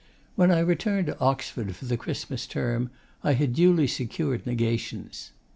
When I returned to Oxford for the Christmas Term I had duly secured 'Negations.